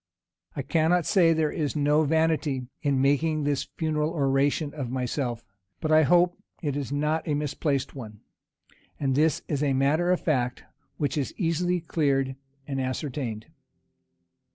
I cannot say there is no vanity in making this funeral oration of myself, but I hope it is not a misplaced one; and this is a matter of fact which is easily cleared and ascertained.